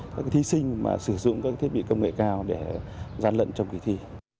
các thí sinh mà sử dụng các thiết bị công nghệ cao để gian lận trong kỳ thi